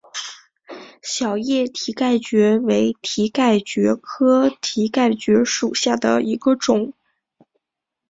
小叶蹄盖蕨为蹄盖蕨科蹄盖蕨属下的一个种。